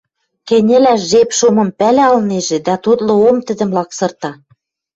Кӹньӹлӓш жеп шомым пӓлӓ ылнежӹ, дӓ тотлы ом тӹдӹм лаксырта...